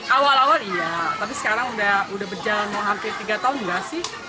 awal awal iya tapi sekarang udah berjalan hampir tiga tahun nggak sih